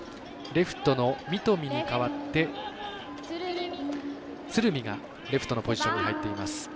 レフトの三富に代わって鶴見がレフトのポジションに入っています。